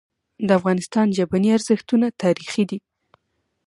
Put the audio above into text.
د افغانستان ژبني ارزښتونه تاریخي دي.